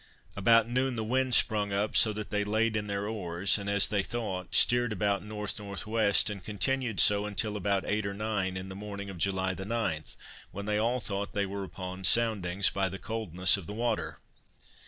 About noon the wind sprung up so that they laid in their oars, and, as they thought, steered about N. N. W. and continued so until about eight or nine in the morning of July 9, when they all thought they were upon soundings, by the coldness of the water.